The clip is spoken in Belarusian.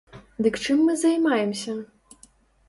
Дык чым мы займаемся?